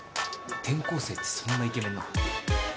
転校生ってそんなイケメンなの？